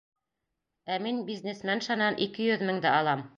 Ә мин бизнесменшанан ике йөҙ меңде алам.